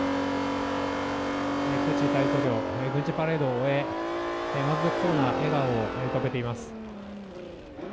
プーチン大統領、軍事パレードを終え、満足そうな笑顔を浮かべています。